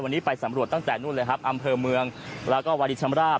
วันนี้ไปสำรวจตั้งแต่นู่นเลยครับอำเภอเมืองแล้วก็วารินชำราบ